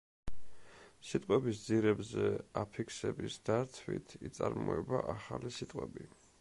სიტყვების ძირებზე აფიქსების დართვით იწარმოება ახალი სიტყვები.